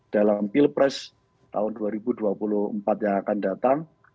dalam pilpres tahun dua ribu dua puluh empat yang akan datang